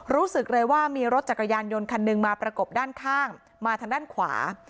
รู้สึกเลยว่ามีรถจักรยานยนต์คันหนึ่งมาประกบด้านข้างมาทางด้านขวา